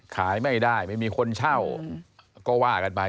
ขายไม่ได้ไม่มีคนเช่าก็ว่ากันไป